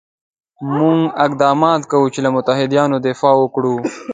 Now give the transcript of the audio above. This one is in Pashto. موږ اقدامات کوو چې له متحدینو دفاع وکړو.